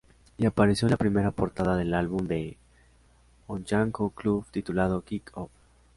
Y apareció en la primera portada del "álbum" de Onyanko Club, titulado: Kick Off.